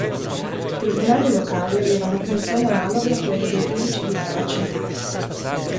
I tribunali locali avevano funzioni analoghe a quelle dei giudici di pace.